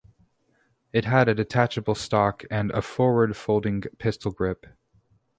It had a detachable stock and a forward-folding pistol grip.